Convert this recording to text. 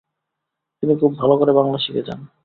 তিনি খুব ভালো করে বাংলা শিখে যান।